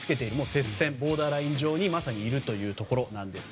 接戦、ボーダーライン上にまさにいるというところです。